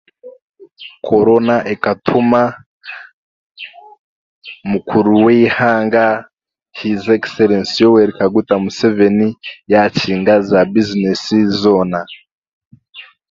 Korona ekatuma mukuru w'eihanga His Excellensi Yoweri Kaguta Museveni yaakinga za bizinesi zoona.